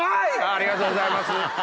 ありがとうございます。